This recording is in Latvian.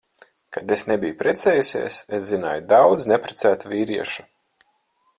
Kad es nebiju precējusies, es zināju daudz neprecētu vīriešu.